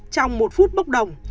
trong một phút bốc đồng